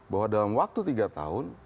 bahwa dalam waktu tiga tahun